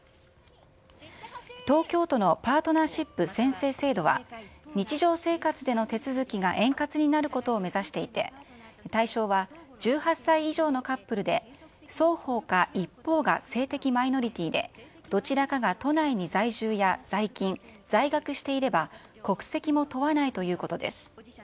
東京都のパートナーシップ宣誓制度は、日常生活での手続きが円滑になることを目指していて、対象は１８歳以上のカップルで、双方か一方が性的マイノリティで、どちらかが都内に在住や在勤、在学していれば、国籍も問わないということです。